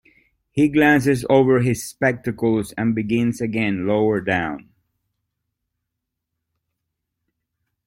He glances over his spectacles and begins again lower down.